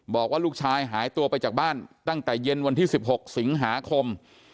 บอกว่าลูกชายหายตัวไปจากบ้านตั้งแต่เย็นวันที่๑๖สิงหาคม